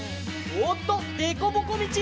あっでこぼこみち！